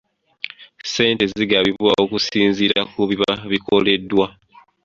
Ssente zigabibwa okusinziira ku biba bikoleddwa.